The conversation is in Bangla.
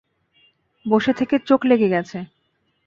বসে থেকে চোখ লেগে গেছে।